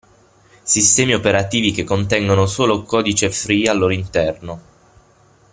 Sistemi operativi che contengono solo codice free al loro interno.